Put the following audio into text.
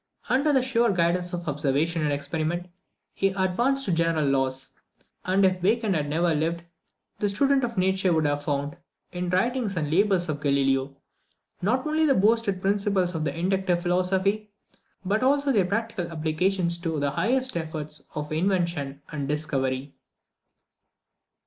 Under the sure guidance of observation and experiment, he advanced to general laws; and if Bacon had never lived, the student of nature Would have found, in the writings and labours of Galileo, not only the boasted principles of the inductive philosophy, but also their practical application to the highest efforts of invention and discovery.